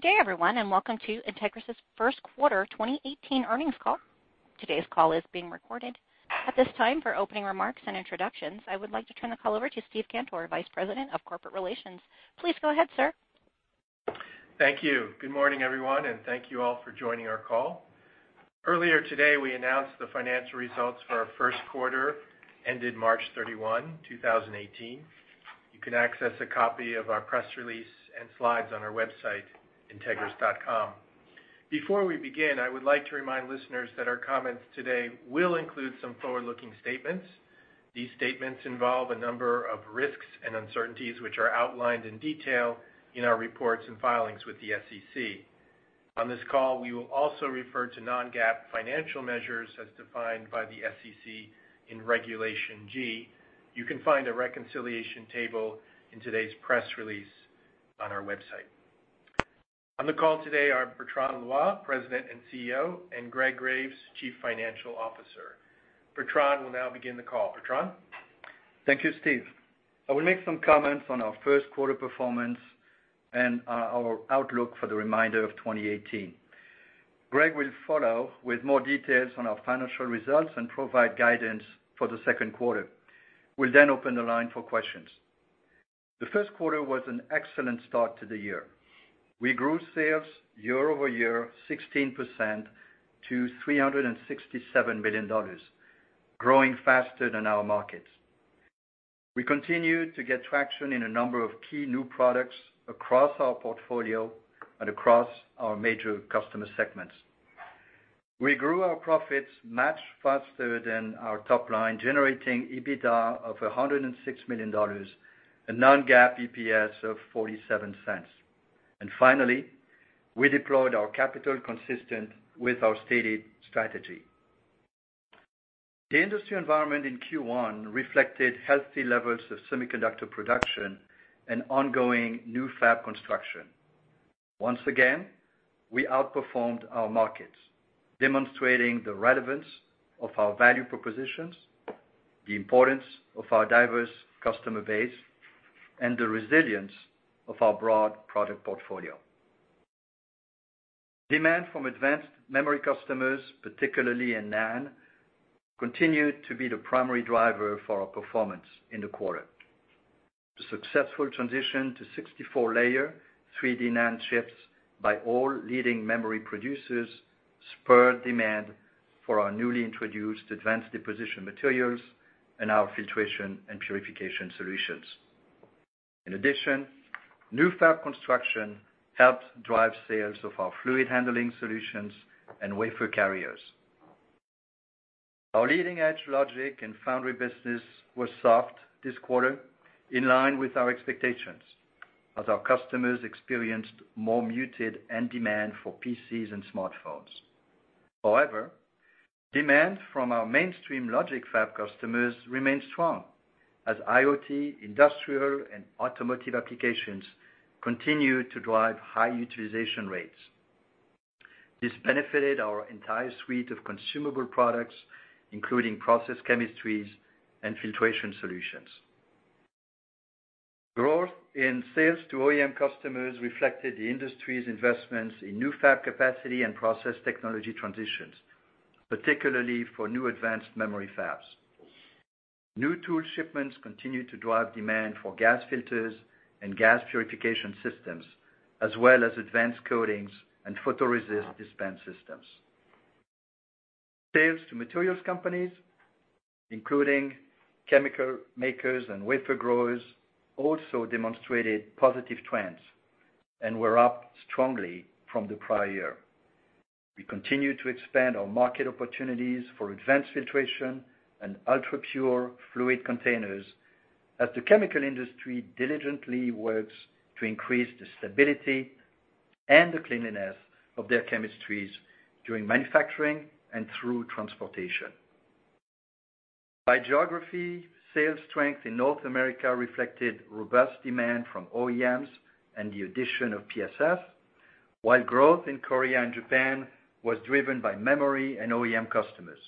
Good day everyone, welcome to Entegris' first quarter 2018 earnings call. Today's call is being recorded. At this time, for opening remarks and introductions, I would like to turn the call over to Steve Cantor, Vice President of Corporate Relations. Please go ahead, sir. Thank you. Good morning, everyone, thank you all for joining our call. Earlier today, we announced the financial results for our first quarter ended March 31, 2018. You can access a copy of our press release and slides on our website, entegris.com. Before we begin, I would like to remind listeners that our comments today will include some forward-looking statements. These statements involve a number of risks and uncertainties, which are outlined in detail in our reports and filings with the SEC. On this call, we will also refer to non-GAAP financial measures as defined by the SEC in Regulation G. You can find a reconciliation table in today's press release on our website. On the call today are Bertrand Loy, President and CEO, and Greg Graves, Chief Financial Officer. Bertrand will now begin the call. Bertrand? Thank you, Steve. I will make some comments on our first quarter performance and our outlook for the remainder of 2018. Greg will follow with more details on our financial results and provide guidance for the second quarter. We'll open the line for questions. The first quarter was an excellent start to the year. We grew sales year-over-year 16% to $367 million, growing faster than our markets. We continued to get traction in a number of key new products across our portfolio and across our major customer segments. We grew our profits much faster than our top line, generating EBITDA of $106 million, a non-GAAP EPS of $0.47. Finally, we deployed our capital consistent with our stated strategy. The industry environment in Q1 reflected healthy levels of semiconductor production and ongoing new fab construction. Once again, we outperformed our markets, demonstrating the relevance of our value propositions, the importance of our diverse customer base, and the resilience of our broad product portfolio. Demand from advanced memory customers, particularly in NAND, continued to be the primary driver for our performance in the quarter. The successful transition to 64-layer 3D NAND chips by all leading memory producers spurred demand for our newly introduced advanced deposition materials and our filtration and purification solutions. In addition, new fab construction helped drive sales of our fluid handling solutions and wafer carriers. Our leading-edge logic and foundry business was soft this quarter, in line with our expectations, as our customers experienced more muted end demand for PCs and smartphones. However, demand from our mainstream logic fab customers remained strong as IoT, industrial, and automotive applications continued to drive high utilization rates. This benefited our entire suite of consumable products, including process chemistries and filtration solutions. Growth in sales to OEM customers reflected the industry's investments in new fab capacity and process technology transitions, particularly for new advanced memory fabs. New tool shipments continued to drive demand for gas filters and gas purification systems, as well as advanced coatings and photoresist dispense systems. Sales to materials companies, including chemical makers and wafer growers, also demonstrated positive trends and were up strongly from the prior year. We continue to expand our market opportunities for advanced filtration and ultrapure fluid containers as the chemical industry diligently works to increase the stability and the cleanliness of their chemistries during manufacturing and through transportation. By geography, sales strength in North America reflected robust demand from OEMs and the addition of PSS. While growth in Korea and Japan was driven by memory and OEM customers.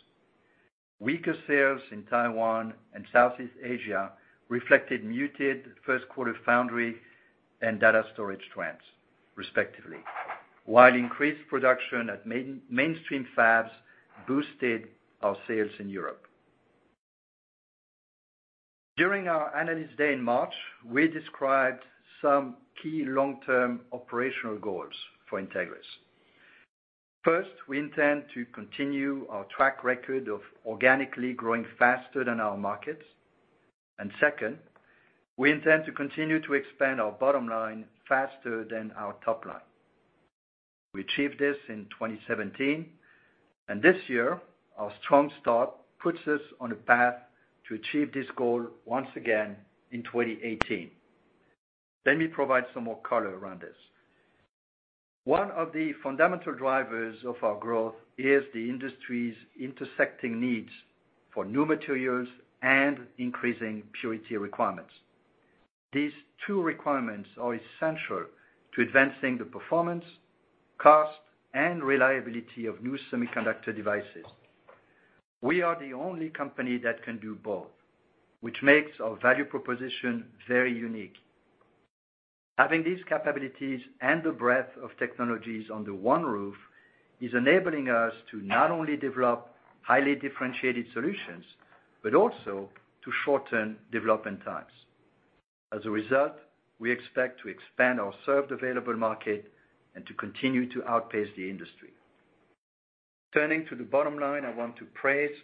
These two requirements are essential to advancing the performance, cost, and reliability of new semiconductor devices. We are the only company that can do both, which makes our value proposition very unique. Having these capabilities and the breadth of technologies under one roof is enabling us to not only develop highly differentiated solutions, but also to shorten development times. As a result, we expect to expand our served available market and to continue to outpace the industry. Turning to the bottom line, I want to praise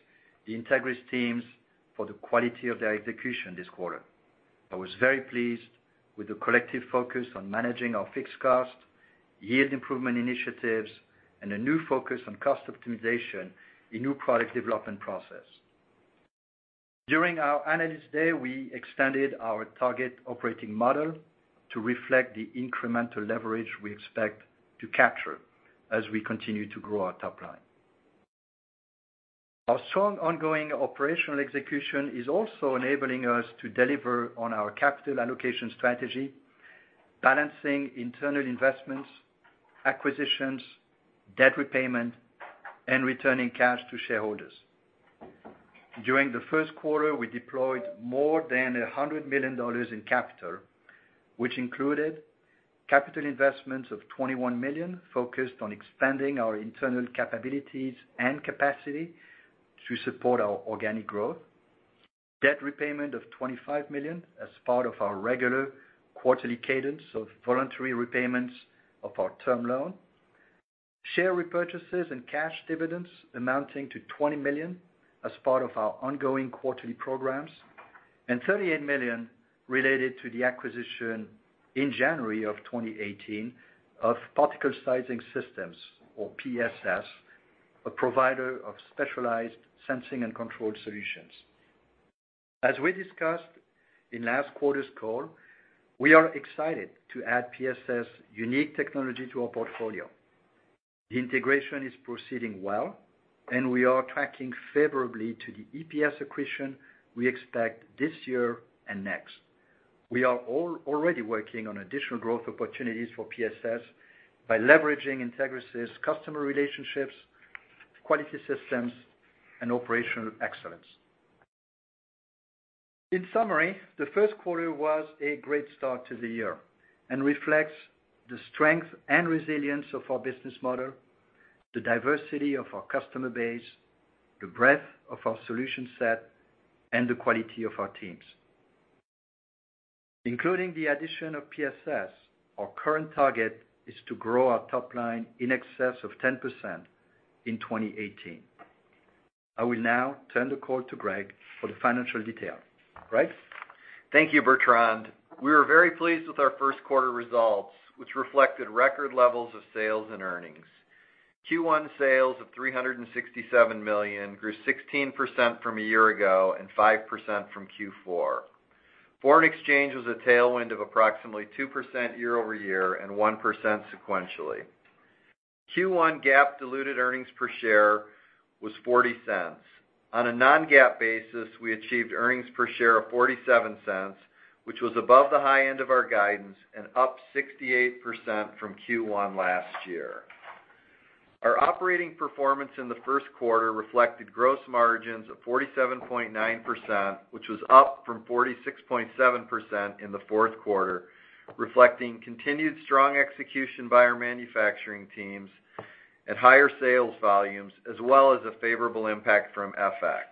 the Entegris teams for the quality of their execution this quarter. I was very pleased Our strong ongoing operational execution is also enabling us to deliver on our capital allocation strategy, balancing internal investments, acquisitions, debt repayment, and returning cash to shareholders. During the first quarter, we deployed more than $100 million in capital, which included capital investments of $21 million focused on expanding our internal capabilities and capacity to support our organic growth. Debt repayment of $25 million as part of our regular quarterly cadence of voluntary repayments of our term loan. Share repurchases and cash dividends amounting to $20 million as part of our ongoing quarterly programs, and $38 million related to the acquisition in January of 2018 of Particle Sizing Systems, or PSS, a provider of specialized sensing and control solutions. As we discussed in last quarter's call, we are excited to add PSS's unique technology to our portfolio. The integration is proceeding well, and we are tracking favorably to the EPS accretion we expect this year and next. We are already working on additional growth opportunities for PSS by leveraging Entegris' customer relationships, quality systems, and operational excellence. In summary, the first quarter was a great start to the year and reflects the strength and resilience of our business model, the diversity of our customer base, the breadth of our solution set, and the quality of our teams. Including the addition of PSS, our current target is to grow our top line in excess of 10% in 2018. I will now turn the call to Greg for the financial details. Greg? Thank you, Bertrand. We are very pleased with our first quarter results, which reflected record levels of sales and earnings. Q1 sales of $367 million grew 16% from a year ago and 5% from Q4. Foreign exchange was a tailwind of approximately 2% year-over-year and 1% sequentially. Q1 GAAP diluted earnings per share was $0.40. On a non-GAAP basis, we achieved earnings per share of $0.47, which was above the high end of our guidance and up 68% from Q1 last year. Our operating performance in the first quarter reflected gross margins of 47.9%, which was up from 46.7% in the fourth quarter, reflecting continued strong execution by our manufacturing teams at higher sales volumes, as well as a favorable impact from FX.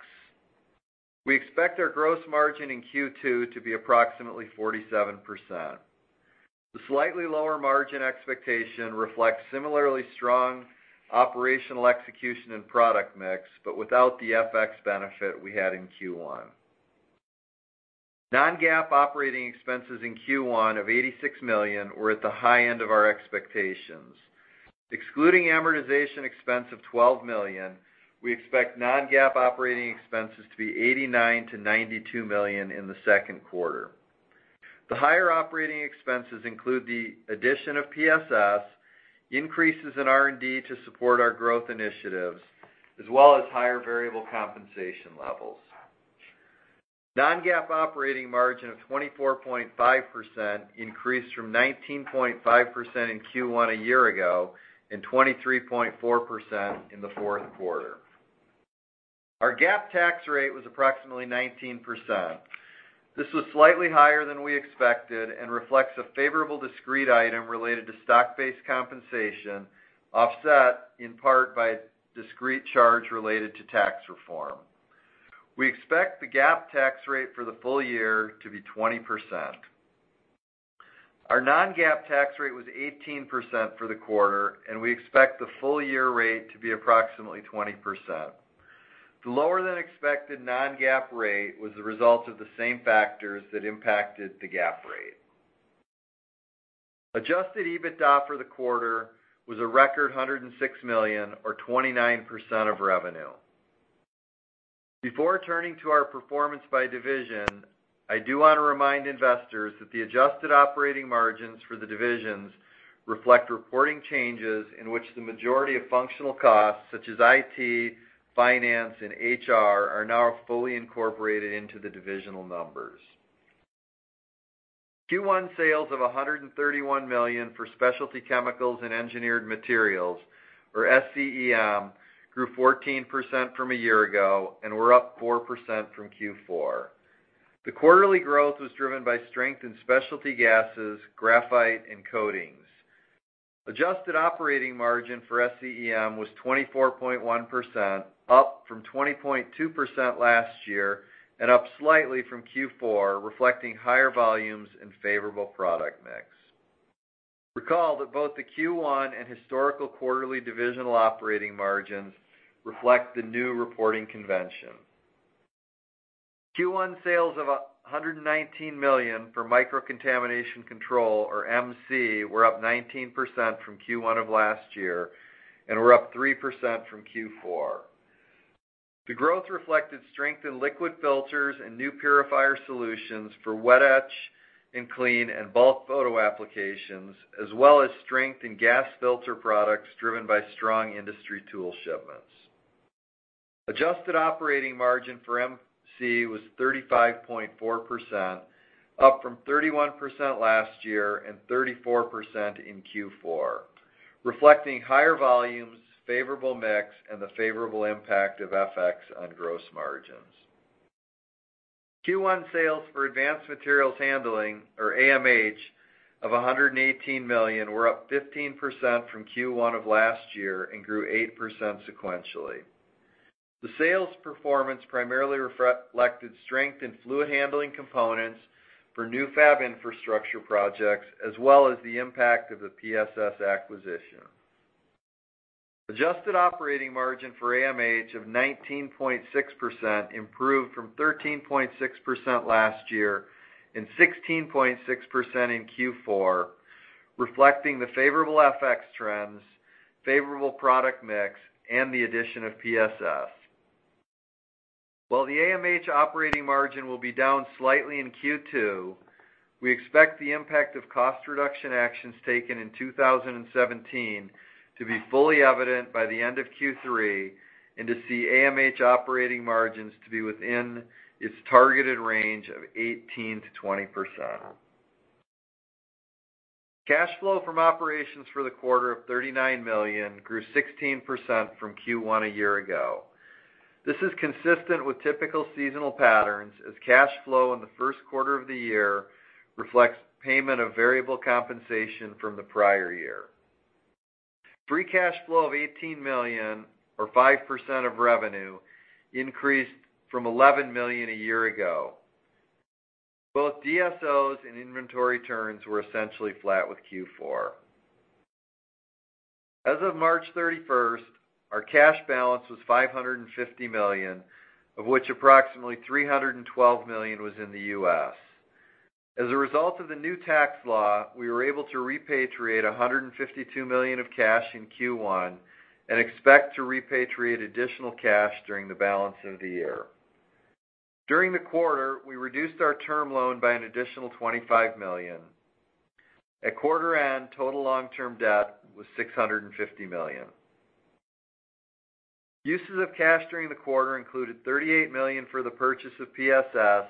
We expect our gross margin in Q2 to be approximately 47%. The slightly lower margin expectation reflects similarly strong operational execution and product mix, without the FX benefit we had in Q1. Non-GAAP operating expenses in Q1 of $86 million were at the high end of our expectations. Excluding amortization expense of $12 million, we expect non-GAAP operating expenses to be $89 million-$92 million in the second quarter. The higher operating expenses include the addition of PSS, increases in R&D to support our growth initiatives, as well as higher variable compensation levels. Non-GAAP operating margin of 24.5% increased from 19.5% in Q1 a year ago and 23.4% in the fourth quarter. Our GAAP tax rate was approximately 19%. This was slightly higher than we expected and reflects a favorable discrete item related to stock-based compensation, offset in part by a discrete charge related to tax reform. We expect the GAAP tax rate for the full year to be 20%. Our non-GAAP tax rate was 18% for the quarter. We expect the full year rate to be approximately 20%. The lower than expected non-GAAP rate was the result of the same factors that impacted the GAAP rate. Adjusted EBITDA for the quarter was a record $106 million or 29% of revenue. Before turning to our performance by division, I do want to remind investors that the adjusted operating margins for the divisions reflect reporting changes in which the majority of functional costs such as IT, finance, and HR, are now fully incorporated into the divisional numbers. Q1 sales of $131 million for Specialty Chemicals and Engineered Materials, or SCEM, grew 14% from a year ago and were up 4% from Q4. The quarterly growth was driven by strength in specialty gases, graphite, and coatings. Adjusted operating margin for SCEM was 24.1%, up from 20.2% last year, and up slightly from Q4, reflecting higher volumes and favorable product mix. Recall that both the Q1 and historical quarterly divisional operating margins reflect the new reporting convention. Q1 sales of $119 million for Microcontamination Control, or MC, were up 19% from Q1 of last year and were up 3% from Q4. The growth reflected strength in liquid filters and new purifier solutions for wet etch and clean and bulk photo applications, as well as strength in gas filter products driven by strong industry tool shipments. Adjusted operating margin for MC was 35.4%, up from 31% last year and 34% in Q4, reflecting higher volumes, favorable mix, and the favorable impact of FX on gross margins. Q1 sales for Advanced Materials Handling, or AMH, of $118 million were up 15% from Q1 of last year and grew 8% sequentially. The sales performance primarily reflected strength in fluid handling components for new fab infrastructure projects, as well as the impact of the PSS acquisition. Adjusted operating margin for AMH of 19.6% improved from 13.6% last year and 16.6% in Q4, reflecting the favorable FX trends, favorable product mix, and the addition of PSS. While the AMH operating margin will be down slightly in Q2, we expect the impact of cost reduction actions taken in 2017 to be fully evident by the end of Q3 and to see AMH operating margins to be within its targeted range of 18%-20%. Cash flow from operations for the quarter of $39 million grew 16% from Q1 a year ago. This is consistent with typical seasonal patterns, as cash flow in the first quarter of the year reflects payment of variable compensation from the prior year. Free cash flow of $18 million or 5% of revenue increased from $11 million a year ago. Both DSOs and inventory turns were essentially flat with Q4. As of March 31st, our cash balance was $550 million, of which approximately $312 million was in the U.S. As a result of the new tax law, we were able to repatriate $152 million of cash in Q1 and expect to repatriate additional cash during the balance of the year. During the quarter, we reduced our term loan by an additional $25 million. At quarter end, total long-term debt was $650 million. Uses of cash during the quarter included $38 million for the purchase of PSS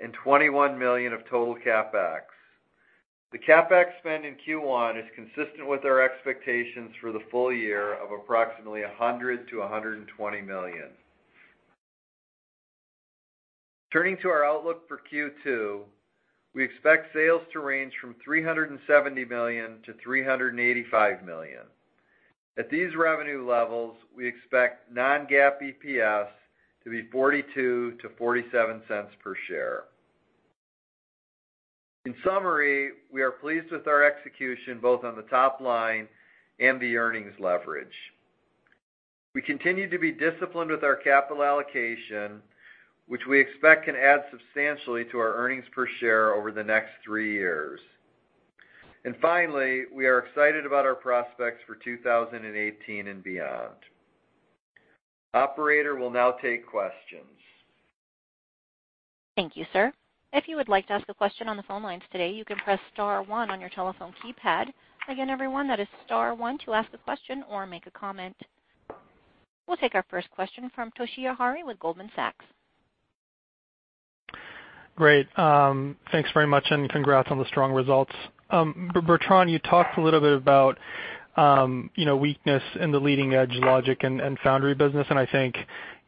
and $21 million of total CapEx. The CapEx spend in Q1 is consistent with our expectations for the full year of approximately $100 million-$120 million. Turning to our outlook for Q2, we expect sales to range from $370 million-$385 million. At these revenue levels, we expect non-GAAP EPS to be $0.42-$0.47 per share. In summary, we are pleased with our execution, both on the top line and the earnings leverage. We continue to be disciplined with our capital allocation, which we expect can add substantially to our earnings per share over the next three years. Finally, we are excited about our prospects for 2018 and beyond. Operator, we'll now take questions. Thank you, sir. If you would like to ask a question on the phone lines today, you can press star 1 on your telephone keypad. Again, everyone, that is star 1 to ask a question or make a comment. We'll take our first question from Toshiya Hari with Goldman Sachs. Great. Thanks very much, and congrats on the strong results. Bertrand, you talked a little bit about weakness in the leading edge Logic and Foundry business, and I think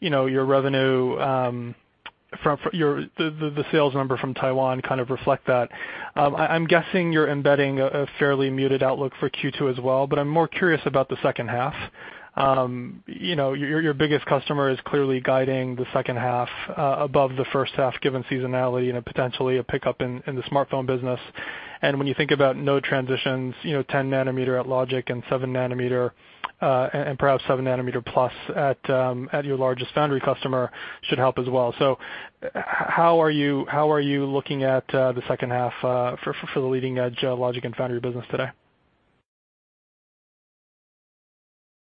your revenue from the sales number from Taiwan kind of reflect that. I'm guessing you're embedding a fairly muted outlook for Q2 as well, but I'm more curious about the second half. Your biggest customer is clearly guiding the second half above the first half, given seasonality and potentially a pickup in the smartphone business. When you think about node transitions, 10-nanometer at Logic and perhaps 7-nanometer plus at your largest Foundry customer should help as well. How are you looking at the second half for the leading edge Logic and Foundry business today?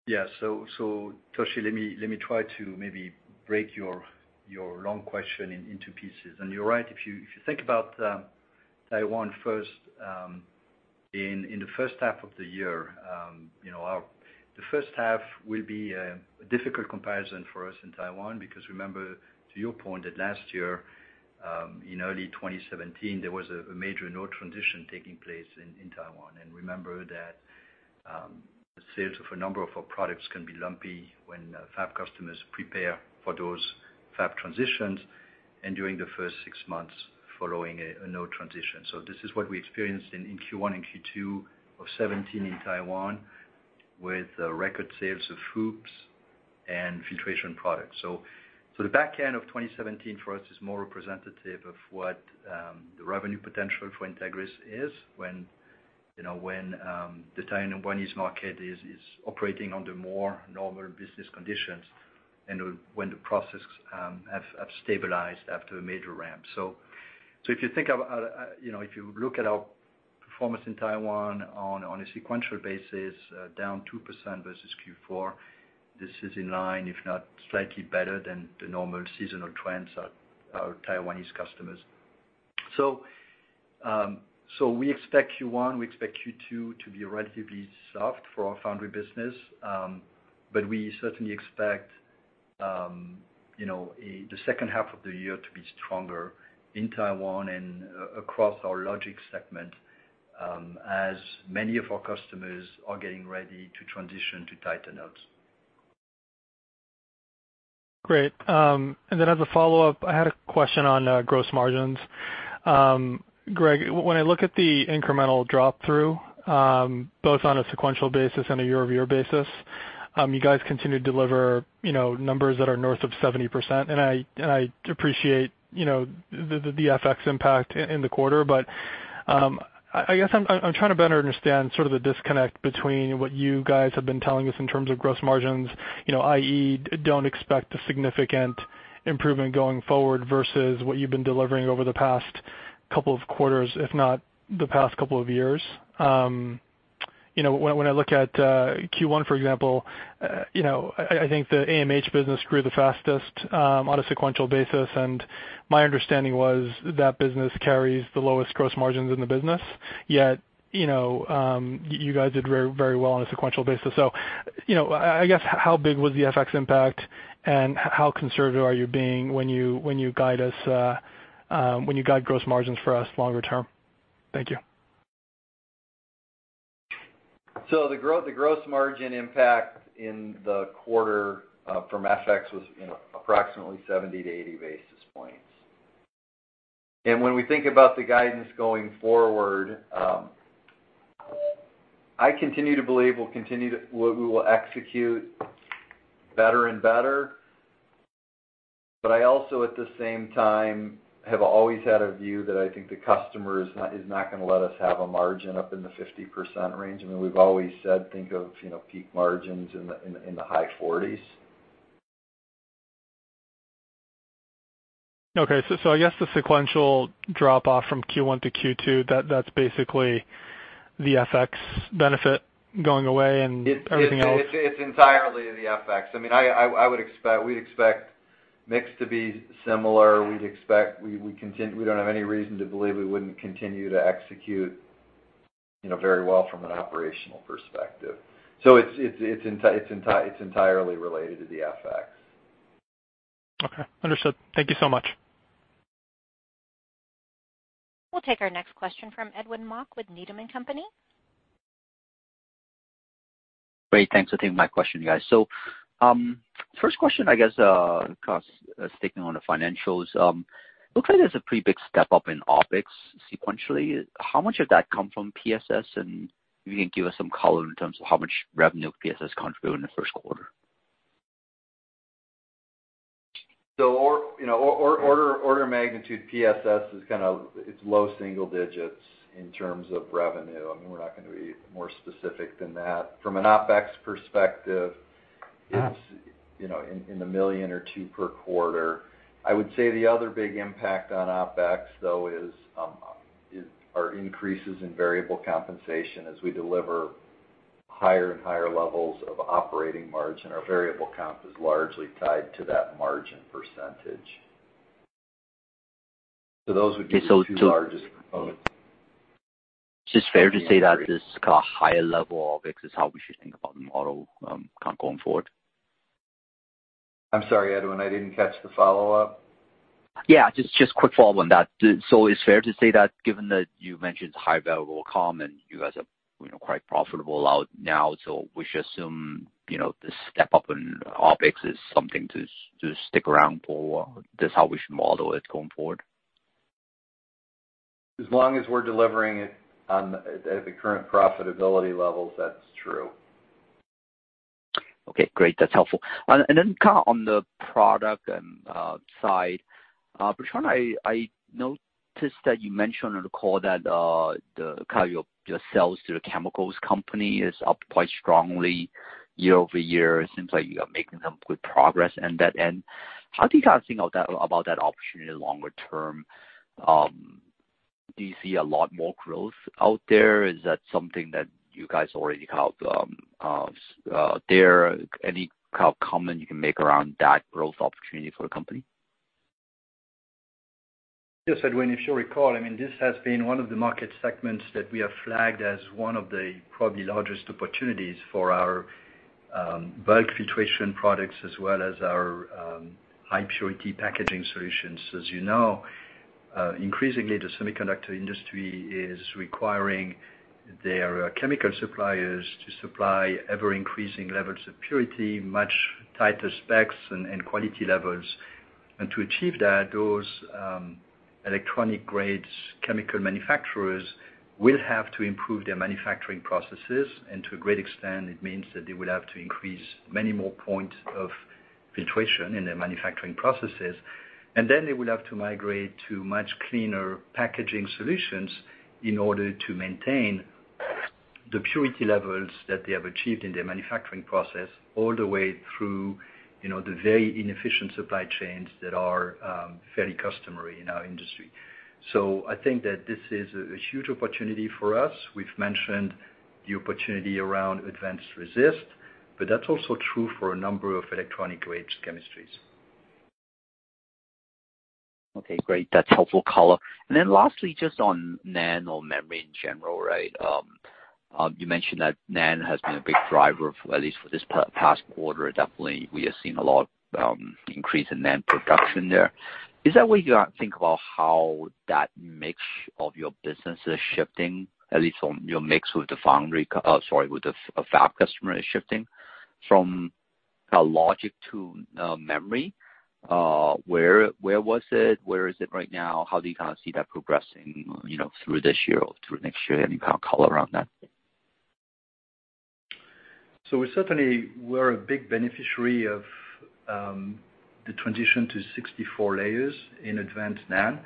Toshi, let me try to maybe break your long question into pieces. You're right. If you think about Taiwan first In the first half of the year, the first half will be a difficult comparison for us in Taiwan, because remember, to your point, that last year, in early 2017, there was a major node transition taking place in Taiwan. Remember that sales for a number of our products can be lumpy when fab customers prepare for those fab transitions and during the first six months following a node transition. This is what we experienced in Q1 and Q2 of 2017 in Taiwan with record sales of FOUPs and filtration products. The back end of 2017 for us is more representative of what the revenue potential for Entegris is when the Taiwanese market is operating under more normal business conditions and when the processes have stabilized after a major ramp. If you look at our performance in Taiwan on a sequential basis, down 2% versus Q4, this is in line, if not slightly better than the normal seasonal trends of our Taiwanese customers. We expect Q1, we expect Q2 to be relatively soft for our foundry business. But we certainly expect the second half of the year to be stronger in Taiwan and across our logic segment, as many of our customers are getting ready to transition to tighter nodes. As a follow-up, I had a question on gross margins. Greg, when I look at the incremental drop-through, both on a sequential basis and a year-over-year basis, you guys continue to deliver numbers that are north of 70%. I appreciate the FX impact in the quarter, I guess I'm trying to better understand sort of the disconnect between what you guys have been telling us in terms of gross margins, i.e., don't expect a significant improvement going forward versus what you've been delivering over the past couple of quarters, if not the past couple of years. When I look at Q1, for example, I think the AMH business grew the fastest on a sequential basis, my understanding was that business carries the lowest gross margins in the business, yet you guys did very well on a sequential basis. I guess, how big was the FX impact and how conservative are you being when you guide gross margins for us longer term? Thank you. The gross margin impact in the quarter from FX was approximately 70 to 80 basis points. When we think about the guidance going forward, I continue to believe we will execute better and better. I also, at the same time, have always had a view that I think the customer is not going to let us have a margin up in the 50% range. We've always said, think of peak margins in the high 40s. Okay. I guess the sequential drop-off from Q1 to Q2, that's basically the FX benefit going away and everything else. It's entirely the FX. We'd expect mix to be similar. We don't have any reason to believe we wouldn't continue to execute very well from an operational perspective. It's entirely related to the FX. Okay. Understood. Thank you so much. We'll take our next question from Edwin Mok with Needham & Company. Great. Thanks for taking my question, guys. First question, I guess, sticking on the financials. Looks like there's a pretty big step-up in OpEx sequentially. How much of that come from PSS? And if you can give us some color in terms of how much revenue PSS contributed in the first quarter. Order of magnitude, PSS, it's low single digits in terms of revenue. We're not going to be more specific than that. From an OpEx perspective, it's in the $1 million or $2 million per quarter. I would say the other big impact on OpEx, though, is our increases in variable compensation as we deliver higher and higher levels of operating margin. Our variable comp is largely tied to that margin percentage. Those would be Okay. the two largest components. Is this fair to say that this kind of higher level OpEx is how we should think about the model kind of going forward? I'm sorry, Edwin, I didn't catch the follow-up. Yeah, just quick follow on that. It's fair to say that given that you mentioned high variable comp and you guys are quite profitable out now, we should assume this step-up in OpEx is something to stick around for a while. That's how we should model it going forward? As long as we're delivering it at the current profitability levels, that's true. Okay, great. That's helpful. Kind of on the product side. Bertrand, I noticed that you mentioned on the call that your sales to the chemicals company is up quite strongly year-over-year. It seems like you are making some good progress end to end. How do you guys think about that opportunity longer term? Do you see a lot more growth out there? Is that something that you guys already have there? Any kind of comment you can make around that growth opportunity for the company? Yes, Edwin, if you recall, this has been one of the market segments that we have flagged as one of the probably largest opportunities for our bulk filtration products, as well as our high-purity packaging solutions. As you know, increasingly, the semiconductor industry is requiring their chemical suppliers to supply ever-increasing levels of purity, much tighter specs, and quality levels. To achieve that, those electronic-grade chemical manufacturers will have to improve their manufacturing processes. To a great extent, it means that they will have to increase many more points of filtration in their manufacturing processes. Then they will have to migrate to much cleaner packaging solutions in order to maintain the purity levels that they have achieved in their manufacturing process, all the way through the very inefficient supply chains that are very customary in our industry. I think that this is a huge opportunity for us. We've mentioned the opportunity around advanced resist, but that's also true for a number of electronic-grade chemistries. Okay, great. That's helpful color. Then lastly, just on NAND or memory in general. You mentioned that NAND has been a big driver, at least for this past quarter. Definitely, we are seeing a lot increase in NAND production there. Is that where you think about how that mix of your business is shifting, at least on your mix with the fab customer is shifting from logic to memory? Where was it? Where is it right now? How do you see that progressing through this year or through next year? Any kind of color around that? We certainly were a big beneficiary of the transition to 64 layers in advanced NAND.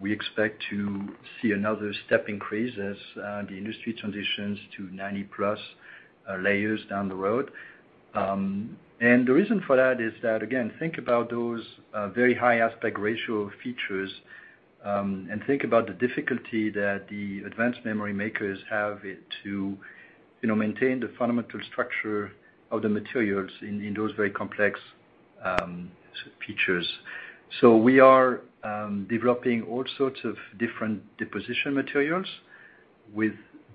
We expect to see another step increase as the industry transitions to 90-plus layers down the road. The reason for that is that, again, think about those very high aspect ratio features, and think about the difficulty that the advanced memory makers have to maintain the fundamental structure of the materials in those very complex features. We are developing all sorts of different deposition materials with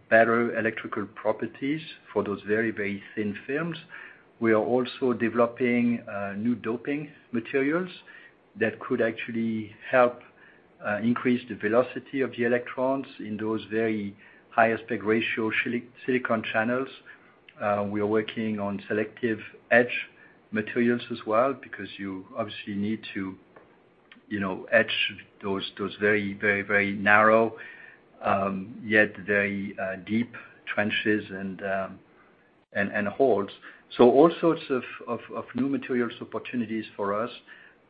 better electrical properties for those very thin films. We are also developing new doping materials that could actually help increase the velocity of the electrons in those very high aspect ratio silicon channels. We are working on selective etch materials as well, because you obviously need to etch those very narrow, yet very deep trenches and holes. All sorts of new materials opportunities for us.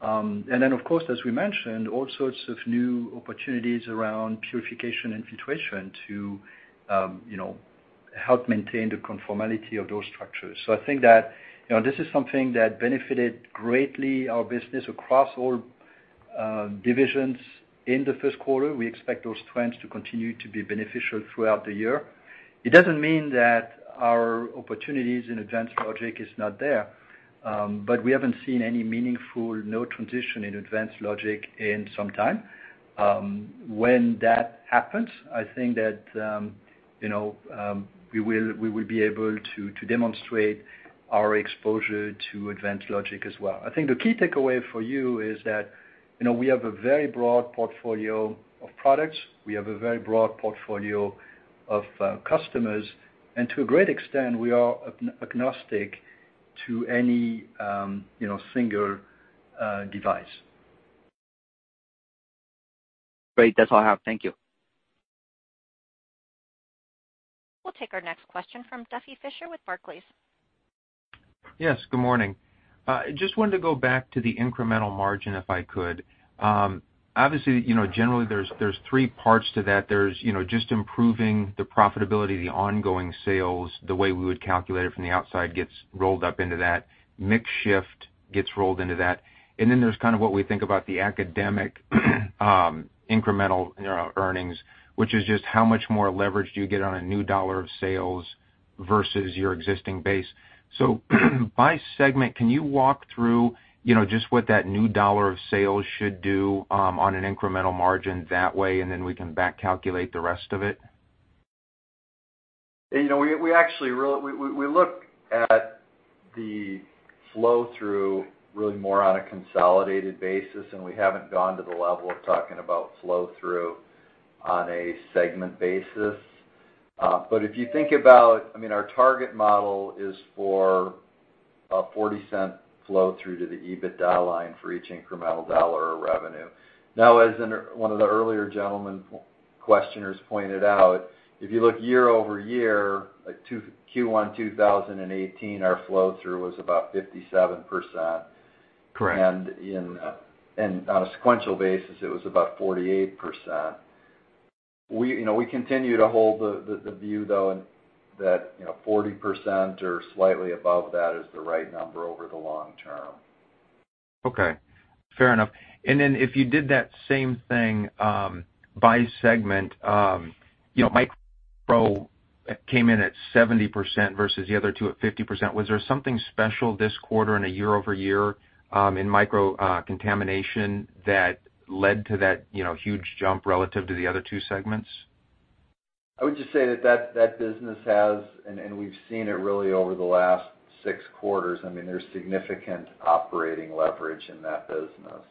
Of course, as we mentioned, all sorts of new opportunities around purification and filtration to help maintain the conformality of those structures. I think that this is something that benefited greatly our business across all divisions in the first quarter. We expect those trends to continue to be beneficial throughout the year. It doesn't mean that our opportunities in advanced logic is not there, but we haven't seen any meaningful node transition in advanced logic in some time. When that happens, I think that we will be able to demonstrate our exposure to advanced logic as well. I think the key takeaway for you is that we have a very broad portfolio of products. We have a very broad portfolio of customers, and to a great extent, we are agnostic to any single device. Great. That's all I have. Thank you. We'll take our next question from Duffy Fischer with Barclays. Yes, good morning. Just wanted to go back to the incremental margin, if I could. Obviously, generally, there's 3 parts to that. There's just improving the profitability of the ongoing sales, the way we would calculate it from the outside gets rolled up into that. Mix shift gets rolled into that. There's what we think about the academic incremental earnings, which is just how much more leverage do you get on a new $1 of sales versus your existing base. By segment, can you walk through just what that new $1 of sales should do on an incremental margin that way, and then we can back calculate the rest of it? We look at the flow-through really more on a consolidated basis. We haven't gone to the level of talking about flow-through on a segment basis. Our target model is for a $0.40 flow-through to the EBITDA line for each incremental dollar of revenue. As one of the earlier gentlemen questioners pointed out, if you look year-over-year, like Q1 2018, our flow-through was about 57%. Correct. On a sequential basis, it was about 48%. We continue to hold the view, though, that 40% or slightly above that is the right number over the long term. Okay. Fair enough. If you did that same thing by segment, MC came in at 70% versus the other two at 50%. Was there something special this quarter on a year-over-year in Microcontamination that led to that huge jump relative to the other two segments? I would just say that business has, we've seen it really over the last six quarters, there's significant operating leverage in that business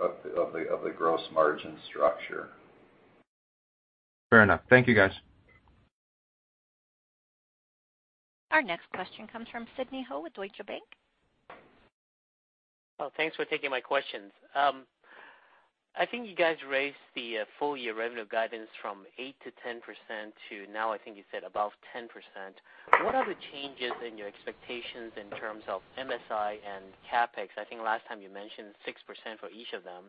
of the gross margin structure. Fair enough. Thank you, guys. Our next question comes from Sidney Ho with Deutsche Bank. Well, thanks for taking my questions. I think you guys raised the full year revenue guidance from 8%-10% to now, I think you said above 10%. What are the changes in your expectations in terms of MSI and CapEx? I think last time you mentioned 6% for each of them.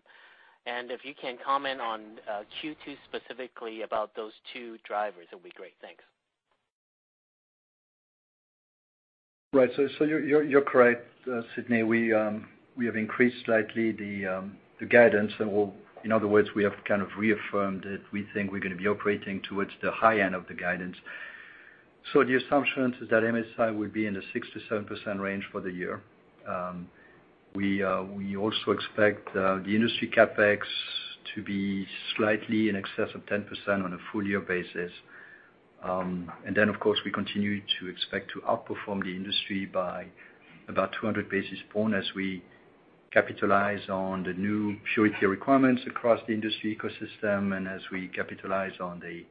If you can comment on Q2 specifically about those two drivers, that would be great. Thanks. Right. You're correct, Sidney. We have increased slightly the guidance, well, in other words, we have kind of reaffirmed it. We think we're going to be operating towards the high end of the guidance. The assumption is that MSI will be in the 6%-7% range for the year. We also expect the industry CapEx to be slightly in excess of 10% on a full year basis. Of course, we continue to expect to outperform the industry by about 200 basis point as we capitalize on the new purity requirements across the industry ecosystem, and as we capitalize on the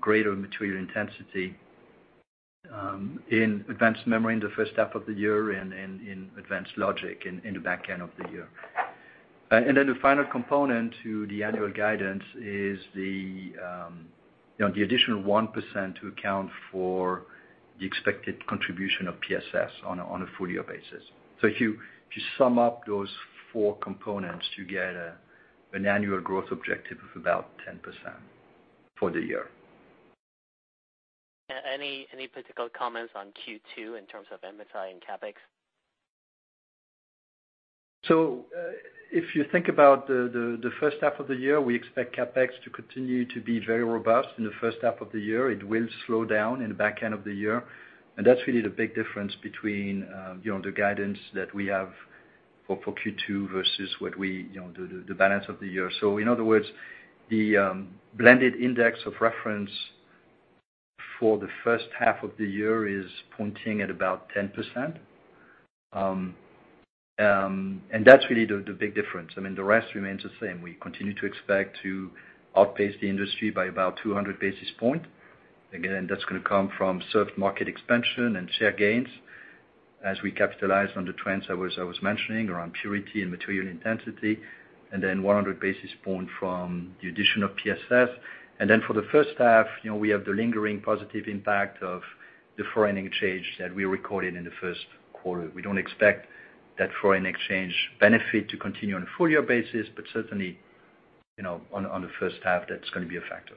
greater material intensity in advanced memory in the first half of the year and in advanced logic in the back end of the year. The final component to the annual guidance is the additional 1% to account for the expected contribution of PSS on a full year basis. If you sum up those four components, you get an annual growth objective of about 10% for the year. Any particular comments on Q2 in terms of MSI and CapEx? If you think about the first half of the year, we expect CapEx to continue to be very robust in the first half of the year. It will slow down in the back end of the year, and that's really the big difference between the guidance that we have for Q2 versus the balance of the year. In other words, the blended index of reference for the first half of the year is pointing at about 10%, and that's really the big difference. The rest remains the same. We continue to expect to outpace the industry by about 200 basis point. Again, that's going to come from served market expansion and share gains as we capitalize on the trends I was mentioning around purity and material intensity, 100 basis point from the addition of PSS. For the first half, we have the lingering positive impact of the foreign exchange that we recorded in the first quarter. We don't expect that foreign exchange benefit to continue on a full year basis, but certainly, on the first half, that's going to be a factor.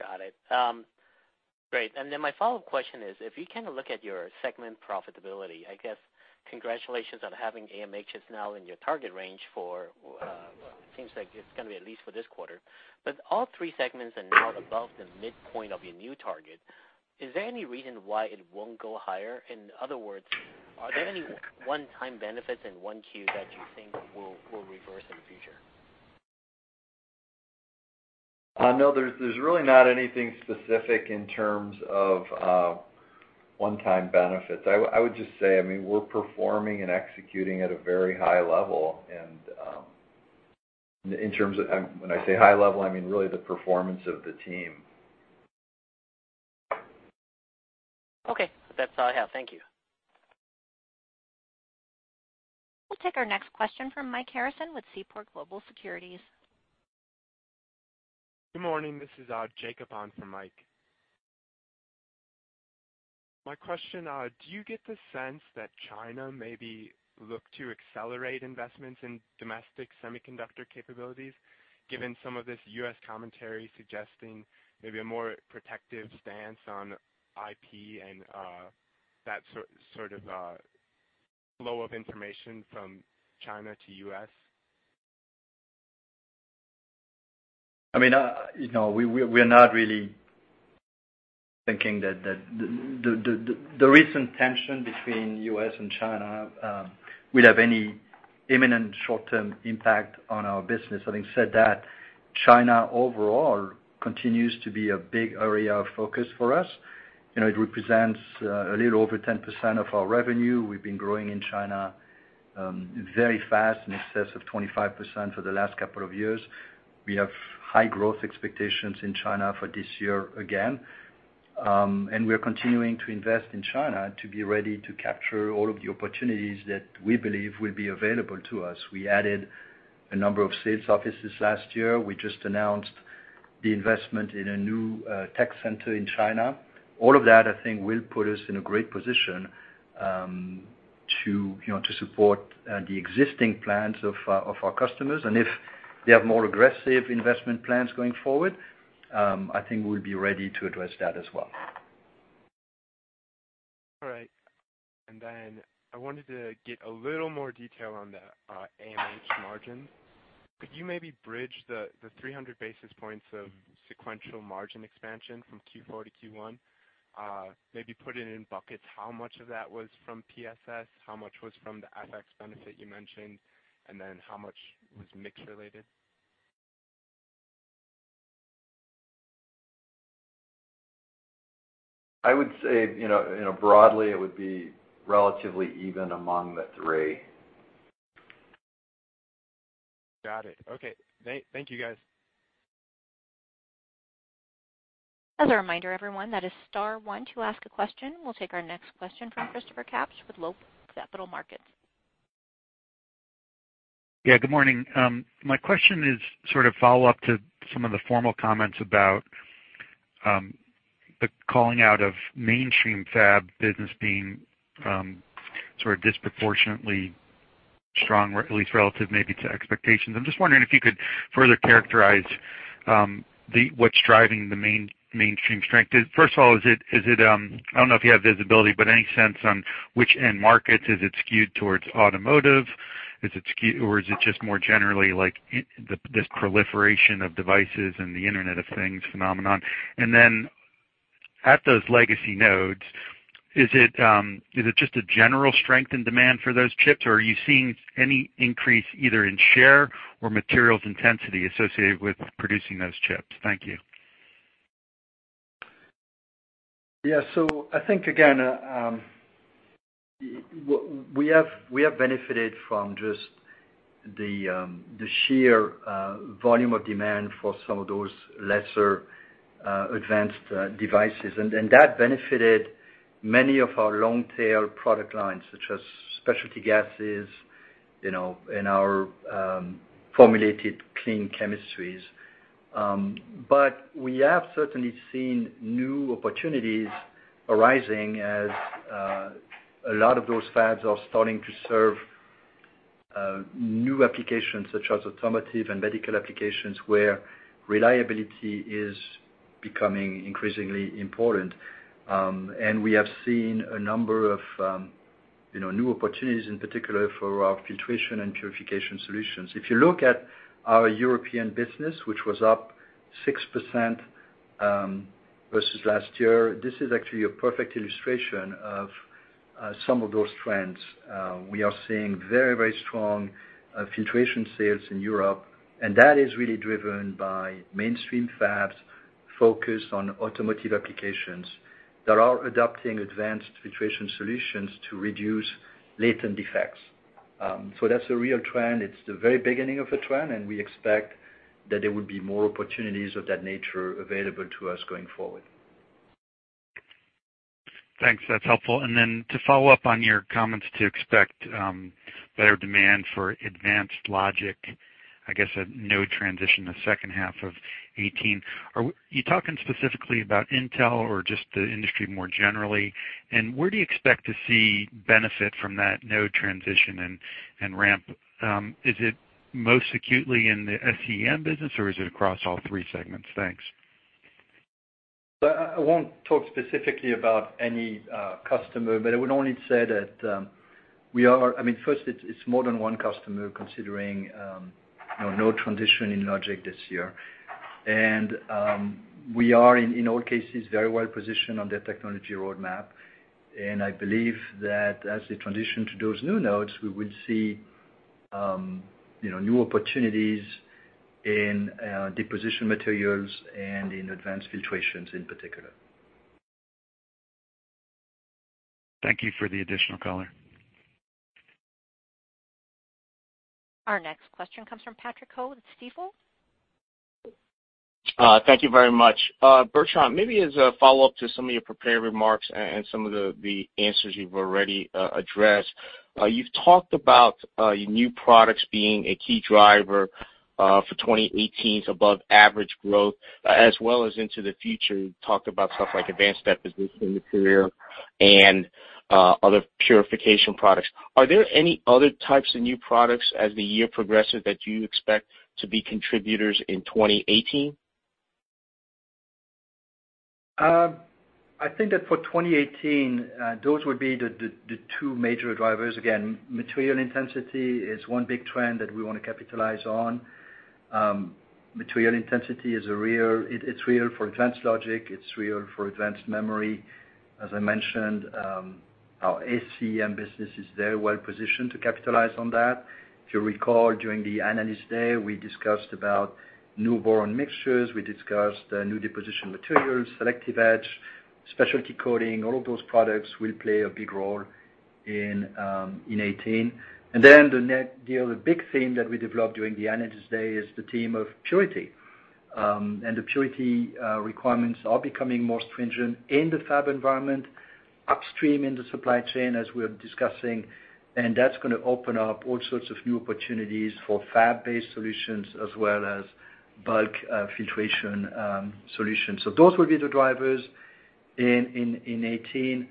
Got it. Great. My follow-up question is, if you kind of look at your segment profitability, I guess congratulations on having AMH now in your target range for, it seems like it's going to be at least for this quarter. All three segments are now above the midpoint of your new target. Is there any reason why it won't go higher? In other words, are there any one-time benefits in 1Q that you think will reverse in the future? No, there's really not anything specific in terms of one-time benefits. I would just say we're performing and executing at a very high level and when I say high level, I mean really the performance of the team. Okay. That's all I have. Thank you. We'll take our next question from Mike Harrison with Seaport Global Securities. Good morning. This is Jacob on for Mike. My question, do you get the sense that China maybe look to accelerate investments in domestic semiconductor capabilities, given some of this U.S. commentary suggesting maybe a more protective stance on IP and that sort of flow of information from China to U.S.? We are not really thinking that the recent tension between U.S. and China will have any imminent short-term impact on our business. Having said that, China overall continues to be a big area of focus for us. It represents a little over 10% of our revenue. We've been growing in China very fast, in excess of 25% for the last couple of years. We have high growth expectations in China for this year again. We're continuing to invest in China to be ready to capture all of the opportunities that we believe will be available to us. We added a number of sales offices last year. We just announced the investment in a new tech center in China. All of that, I think, will put us in a great position to support the existing plans of our customers. If they have more aggressive investment plans going forward, I think we'll be ready to address that as well. Then I wanted to get a little more detail on the AMH margin. Could you maybe bridge the 300 basis points of sequential margin expansion from Q4 to Q1? Maybe put it in buckets, how much of that was from PSS, how much was from the FX benefit you mentioned, then how much was mix related? I would say, broadly, it would be relatively even among the three. Got it. Okay. Thank you guys. As a reminder, everyone, that is star one to ask a question. We'll take our next question from Christopher Kaps with Loeb Capital Markets. Yeah, good morning. My question is sort of follow up to some of the formal comments about the calling out of mainstream fab business being sort of disproportionately strong, or at least relative maybe to expectations. I'm just wondering if you could further characterize what's driving the main mainstream strength. First of all, I don't know if you have visibility, but any sense on which end markets? Is it skewed towards automotive, or is it just more generally like this proliferation of devices and the Internet of Things phenomenon? Then at those legacy nodes, is it just a general strength in demand for those chips, or are you seeing any increase either in share or materials intensity associated with producing those chips? Thank you. Yeah. I think, again, we have benefited from just the sheer volume of demand for some of those lesser advanced devices. That benefited many of our long-tail product lines, such as specialty gases, and our formulated clean chemistries. We have certainly seen new opportunities arising as a lot of those fabs are starting to serve new applications such as automotive and medical applications, where reliability is becoming increasingly important. We have seen a number of new opportunities, in particular, for our filtration and purification solutions. If you look at our European business, which was up 6% versus last year, this is actually a perfect illustration of some of those trends. We are seeing very strong filtration sales in Europe, and that is really driven by mainstream fabs focused on automotive applications that are adopting advanced filtration solutions to reduce latent defects. That's a real trend. It's the very beginning of a trend, we expect that there would be more opportunities of that nature available to us going forward. Thanks. That's helpful. To follow up on your comments to expect better demand for advanced logic, I guess a node transition in the second half of 2018. Are you talking specifically about Intel or just the industry more generally? Where do you expect to see benefit from that node transition and ramp? Is it most acutely in the SCEM business or is it across all three segments? Thanks. I won't talk specifically about any customer, I would only say that first, it's more than one customer considering node transition in logic this year. We are, in all cases, very well positioned on their technology roadmap. I believe that as they transition to those new nodes, we will see new opportunities in deposition materials and in advanced filtrations in particular. Thank you for the additional color. Our next question comes from Patrick Ho at Stifel. Thank you very much. Bertrand, as a follow-up to some of your prepared remarks and some of the answers you've already addressed. You've talked about your new products being a key driver for 2018's above average growth as well as into the future. You talked about stuff like advanced etch business in the carrier and other purification products. Are there any other types of new products as the year progresses that you expect to be contributors in 2018? I think that for 2018, those would be the two major drivers. Again, material intensity is one big trend that we want to capitalize on. Material intensity, it's real for advanced logic, it's real for advanced memory. As I mentioned, our AMH business is very well positioned to capitalize on that. If you recall, during the analyst day, we discussed about new formulations, we discussed advanced deposition materials, selective etch, advanced coatings. All of those products will play a big role in 2018. The other big theme that we developed during the analyst day is the theme of purity. The purity requirements are becoming more stringent in the fab environment, upstream in the supply chain, as we are discussing, and that's going to open up all sorts of new opportunities for fab-based solutions as well as bulk filtration solutions. Those will be the drivers in 2018.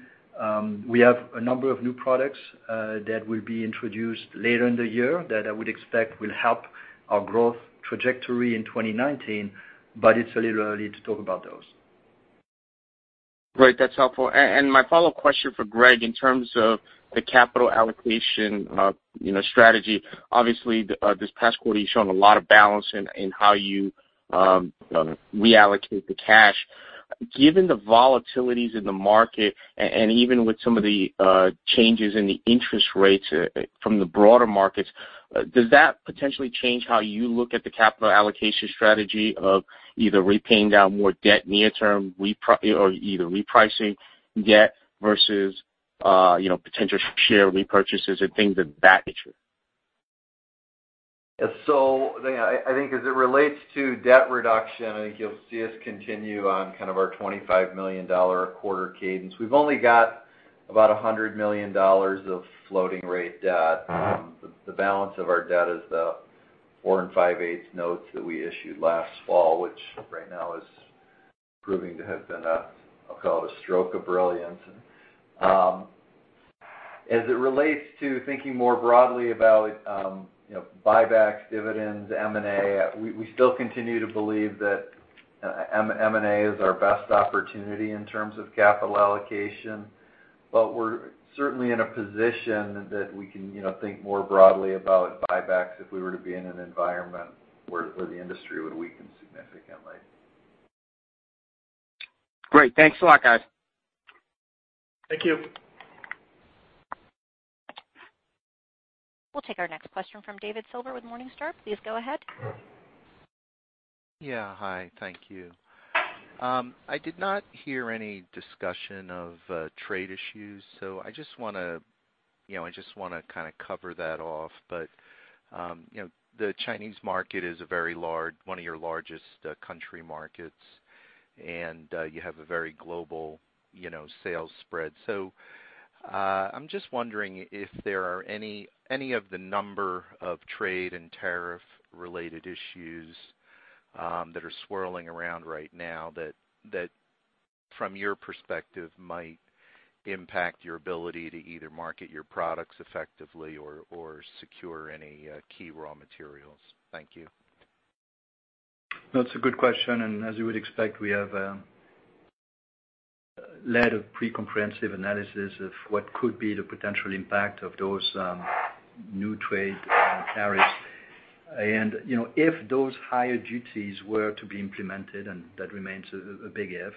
We have a number of new products that will be introduced later in the year that I would expect will help our growth trajectory in 2019, but it's a little early to talk about those. Great. That's helpful. My follow-up question for Greg, in terms of the capital allocation strategy. Obviously, this past quarter, you've shown a lot of balance in how you reallocate the cash. Given the volatilities in the market, and even with some of the changes in the interest rates from the broader markets, does that potentially change how you look at the capital allocation strategy of either repaying down more debt near term, or either repricing debt versus potential share repurchases and things of that nature? I think as it relates to debt reduction, I think you'll see us continue on kind of our $25 million a quarter cadence. We've only got about $100 million of floating rate debt. The balance of our debt is the four and five-eighth notes that we issued last fall, which right now is proving to have been a, I'll call it a stroke of brilliance. As it relates to thinking more broadly about buybacks, dividends, M&A, we still continue to believe that M&A is our best opportunity in terms of capital allocation. We're certainly in a position that we can think more broadly about buybacks if we were to be in an environment where the industry would weaken significantly. Great. Thanks a lot, guys. Thank you. We'll take our next question from David Silver with Morningstar. Please go ahead. Yeah. Hi, thank you. I did not hear any discussion of trade issues, so I just want to kind of cover that off. The Chinese market is one of your largest country markets, and you have a very global sales spread. I'm just wondering if there are any of the number of trade and tariff-related issues that are swirling around right now that from your perspective might impact your ability to either market your products effectively or secure any key raw materials. Thank you. That's a good question. As you would expect, we have led a pretty comprehensive analysis of what could be the potential impact of those new trade tariffs. If those higher duties were to be implemented, and that remains a big if,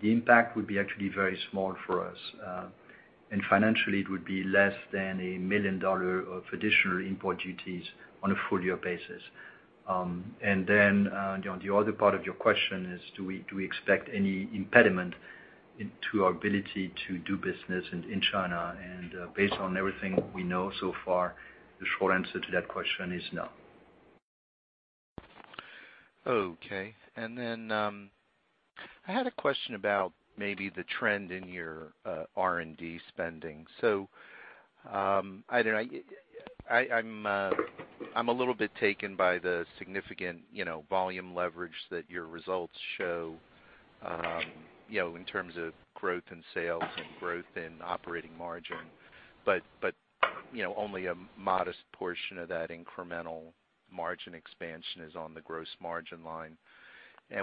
the impact would be actually very small for us. Financially, it would be less than $1 million of additional import duties on a full-year basis. On the other part of your question is, do we expect any impediment to our ability to do business in China? Based on everything we know so far, the short answer to that question is no. Okay. I had a question about maybe the trend in your R&D spending. I'm a little bit taken by the significant volume leverage that your results show in terms of growth in sales and growth in operating margin. But only a modest portion of that incremental margin expansion is on the gross margin line.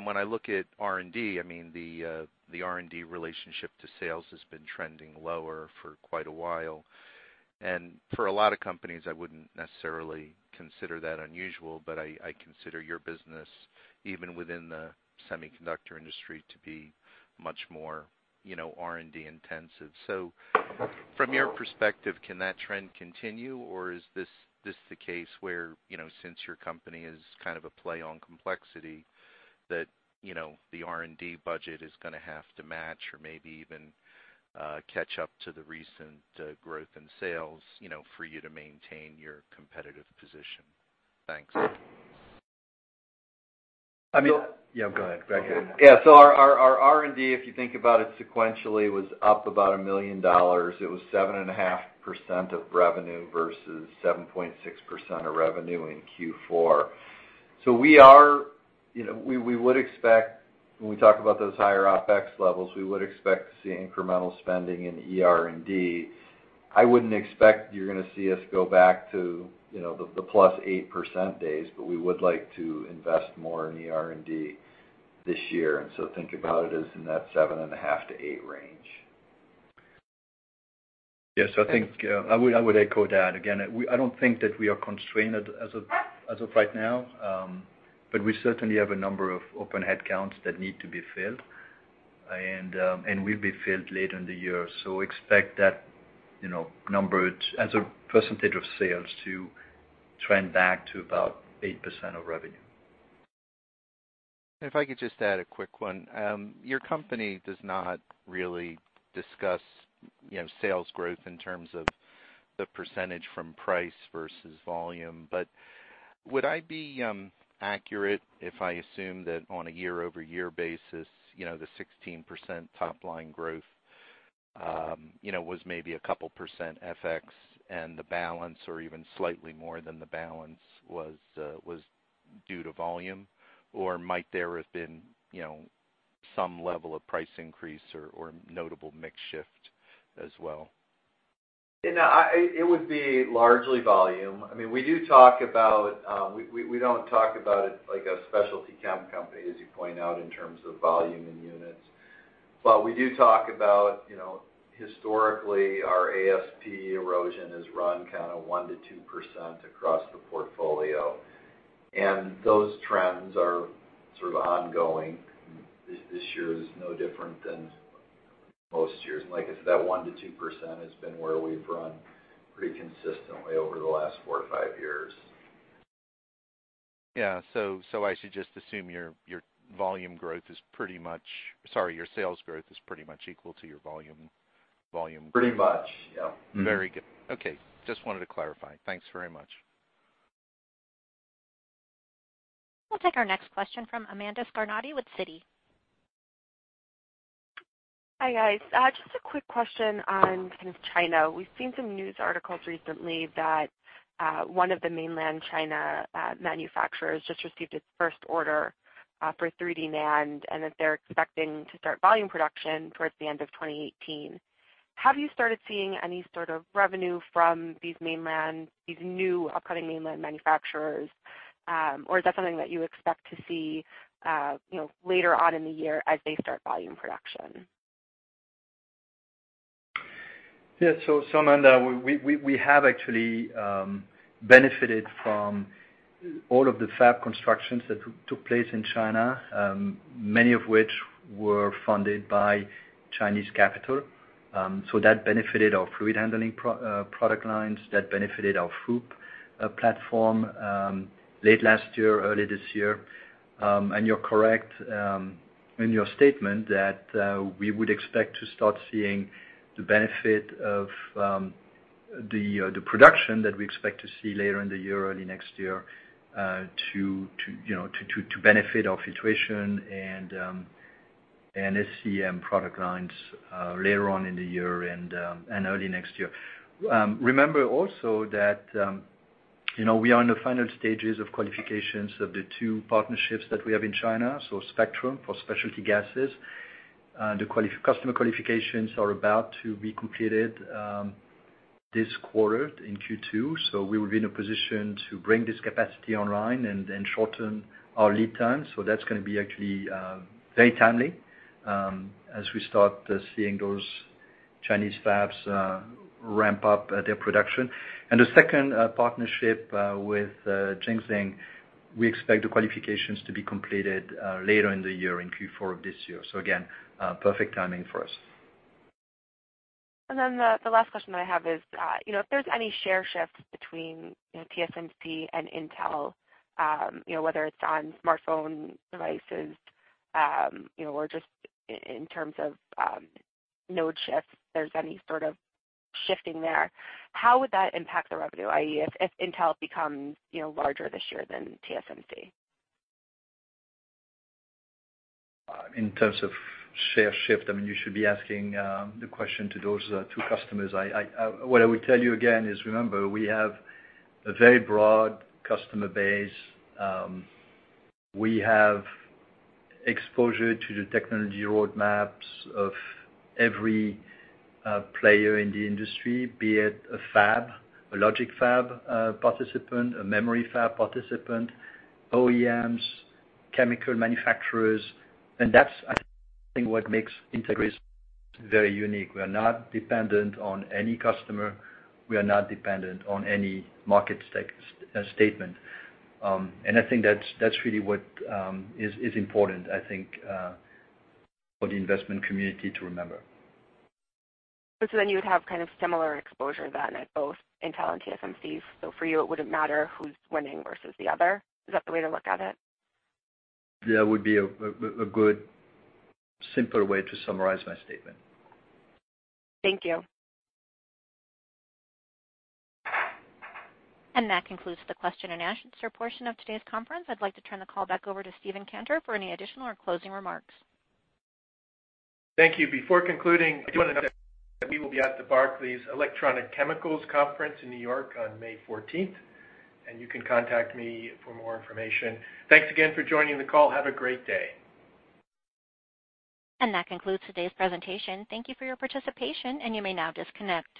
When I look at R&D, the R&D relationship to sales has been trending lower for quite a while. For a lot of companies, I wouldn't necessarily consider that unusual, but I consider your business, even within the semiconductor industry, to be much more R&D intensive. From your perspective, can that trend continue? Is this the case where, since your company is kind of a play on complexity, that the R&D budget is going to have to match or maybe even catch up to the recent growth in sales for you to maintain your competitive position? Thanks. I mean. Yeah, go ahead, Greg. Yeah. Our R&D, if you think about it sequentially, was up about $1 million. It was 7.5% of revenue versus 7.6% of revenue in Q4. We would expect, when we talk about those higher OpEx levels, we would expect to see incremental spending in R&D. I wouldn't expect you're going to see us go back to the plus 8% days, but we would like to invest more in R&D this year, think about it as in that 7.5%-8% range. Yes, I think I would echo that. Again, I don't think that we are constrained as of right now. We certainly have a number of open headcounts that need to be filled, and will be filled later in the year. Expect that number as a % of sales to trend back to about 8% of revenue. If I could just add a quick one. Your company does not really discuss sales growth in terms of the % from price versus volume. Would I be accurate if I assume that on a year-over-year basis, the 16% top line growth was maybe a couple % FX and the balance, or even slightly more than the balance, was due to volume? Might there have been some level of price increase or notable mix shift as well? It would be largely volume. We don't talk about it like a specialty chem company, as you point out, in terms of volume in units. We do talk about, historically, our ASP erosion has run 1%-2% across the portfolio. Those trends are sort of ongoing. This year is no different than most years. Like I said, that 1%-2% has been where we've run pretty consistently over the last four to five years. Yeah. I should just assume your sales growth is pretty much equal to your volume. Pretty much, yeah. Very good. Okay. Just wanted to clarify. Thanks very much. We'll take our next question from Amanda Scarnati with Citi. Hi, guys. Just a quick question on kind of China. We've seen some news articles recently that one of the mainland China manufacturers just received its first order for 3D NAND, and that they're expecting to start volume production towards the end of 2018. Have you started seeing any sort of revenue from these new upcoming mainland manufacturers? Or is that something that you expect to see later on in the year as they start volume production? Yeah. Amanda, we have actually benefited from all of the fab constructions that took place in China. Many of which were funded by Chinese capital. That benefited our fluid handling product lines. That benefited our FOUP platform late last year, early this year. You're correct in your statement that we would expect to start seeing the benefit of the production that we expect to see later in the year, early next year, to benefit our filtration and SCEM product lines later on in the year and early next year. Remember also that we are in the final stages of qualifications of the two partnerships that we have in China, Spectrum for specialty gases. The customer qualifications are about to be completed this quarter, in Q2, we will be in a position to bring this capacity online and shorten our lead times. That's going to be actually very timely as we start seeing those Chinese fabs ramp up their production. The second partnership with Jingxing, we expect the qualifications to be completed later in the year, in Q4 of this year. Again, perfect timing for us. The last question that I have is if there's any share shift between TSMC and Intel, whether it's on smartphone devices, or just in terms of node shifts, there's any sort of shifting there, how would that impact the revenue? I.e., if Intel becomes larger this year than TSMC. In terms of share shift, you should be asking the question to those two customers. What I would tell you again is, remember, we have a very broad customer base. We have exposure to the technology roadmaps of every player in the industry, be it a logic fab participant, a memory fab participant, OEMs, chemical manufacturers. That's, I think, what makes Entegris very unique. We are not dependent on any customer. We are not dependent on any market statement. I think that's really what is important, I think, for the investment community to remember. You would have kind of similar exposure then at both Intel and TSMC. For you, it wouldn't matter who's winning versus the other. Is that the way to look at it? That would be a good, simpler way to summarize my statement. Thank you. That concludes the question and answer portion of today's conference. I'd like to turn the call back over to Stephen Cantor for any additional or closing remarks. Thank you. Before concluding, I do want to note that we will be at the Barclays Electronic Chemicals Conference in New York on May 14th, you can contact me for more information. Thanks again for joining the call. Have a great day. That concludes today's presentation. Thank you for your participation, you may now disconnect.